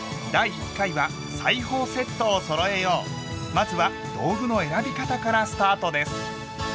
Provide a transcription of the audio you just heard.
まずは道具の選び方からスタートです。